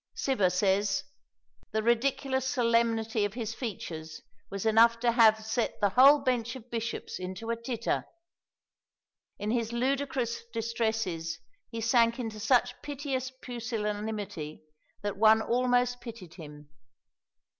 Cibber says, "The ridiculous solemnity of his features was enough to have set the whole bench of Bishops into a titter." In his ludicrous distresses he sank into such piteous pusilanimity that one almost pitied him.